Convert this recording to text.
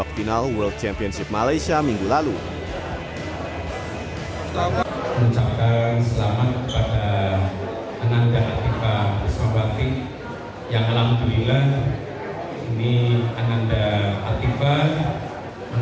atlet berumur dua puluh tahun ini tercatat sebagai mahasiswi semester ketiga universitas negeri semara